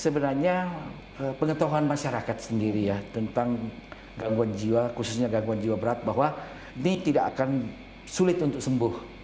sebenarnya pengetahuan masyarakat sendiri ya tentang gangguan jiwa khususnya gangguan jiwa berat bahwa ini tidak akan sulit untuk sembuh